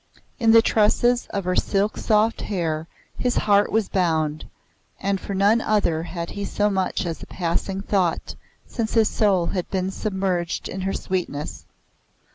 In the tresses of her silk soft hair his heart was bound, and for none other had he so much as a passing thought since his soul had been submerged in her sweetness.